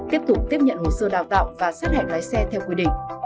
tiếp tục tiếp nhận hồ sơ đào tạo và xét hẹn lái xe theo quy định